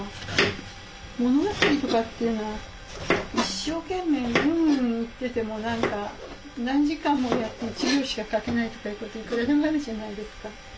物語とかっていうのは一生懸命うんうん言ってても何か何時間もやって１行しか書けないとかいうこといくらでもあるじゃないですか。